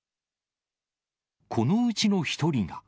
このうちの１人が。